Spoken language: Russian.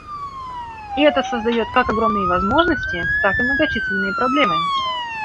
И это создает как огромные возможности, так и многочисленные проблемы.